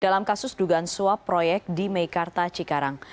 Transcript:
dalam kasus dugaan suap proyek di meikarta cikarang